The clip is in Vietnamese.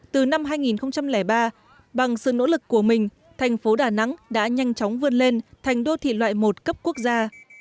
từ năm hai nghìn ba bằng sự nỗ lực của mình thành phố đà nẵng đã nhanh chóng vươn lên thành đô thị loại một cấp quốc gia